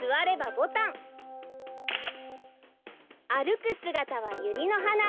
あるくすがたはユリのはな。